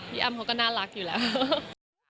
พี่อัมเขาก็น่ารักอยู่แล้ว